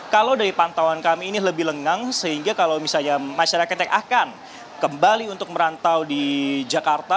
kalau dari pantauan kami ini lebih lengang sehingga kalau misalnya masyarakat yang akan kembali untuk merantau di jakarta